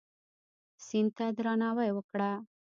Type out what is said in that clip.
سیند ته درناوی وکړه.